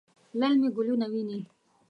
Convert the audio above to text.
للمي ګلونه ویني